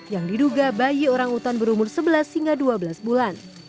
yang diduga bayi orangutan berumur sebelas hingga dua belas bulan